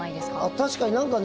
確かに何かね